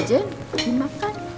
mbak jen mau makan